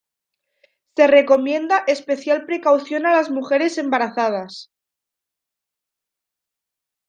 Se recomienda especial precaución a las mujeres embarazadas.